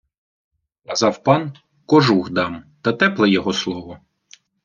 Казав пан: кожух дам, та тепле його слово.